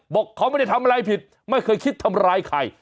บอกเขาไม่ได้ทำอะไรผิดไม่เคยคิดทำร้ายใคร